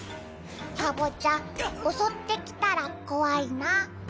カボチャおそってきたらこわいな。